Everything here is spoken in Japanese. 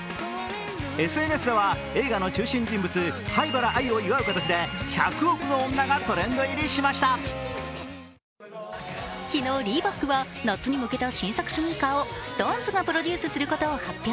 ＳＮＳでは映画の中心人物、灰原哀を祝う形で１００億の女がトレンド入りしました昨日、Ｒｅｅｂｏｋは夏に向けた新作スニーカーをＳｉｘＴＯＮＥＳがプロデュースすることを発表。